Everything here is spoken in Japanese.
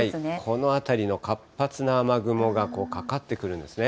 この辺りの活発な雨雲がかかってくるんですね。